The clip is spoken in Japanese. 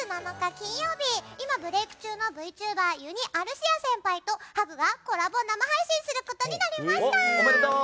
金曜日今、ブレーク中のＶＴｕｂｅｒユニ・アルシア先輩とハグがコラボ生配信することになりました！